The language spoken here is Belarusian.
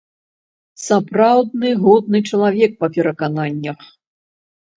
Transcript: Сапраўдны годны чалавек па перакананнях.